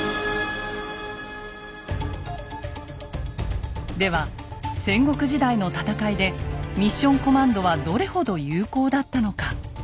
まさにでは戦国時代の戦いでミッション・コマンドはどれほど有効だったのか。